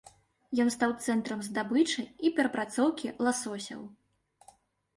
Ён стаў цэнтрам здабычы і перапрацоўкі ласосяў.